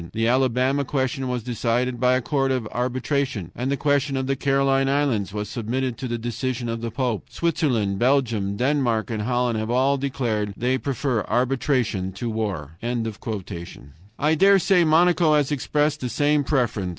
The Alabama question was decided by a court of arbitration, and the question of the Caroline Islands was submitted to the decision of the Pope. Switzerland, Belgium, Denmark, and Holland have all declared that they prefer arbitration to war." I dare say Monaco has expressed the same preference.